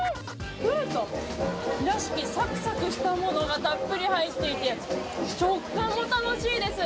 クルトンらしきさくさくしたものがたっぷり入っていて、食感も楽しいです。